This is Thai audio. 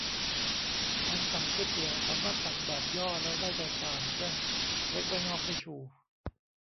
การสั่งก๋วยเตี๋ยว สามารถสั่งแบบย่อแล้วได้ใจความ เช่นเล็กไม่งอกไม่ชู